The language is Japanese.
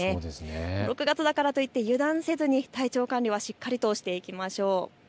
６月だからといって油断せずに体調管理はしっかりとしていきましょう。